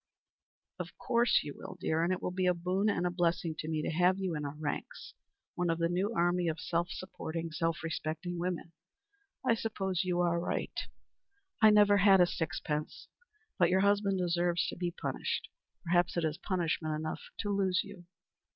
"Of course you will, dear; and it will be a boon and a blessing to me to have you in our ranks one of the new army of self supporting, self respecting women. I suppose you are right. I have never had a sixpence. But your husband deserves to be punished. Perhaps it is punishment enough to lose you."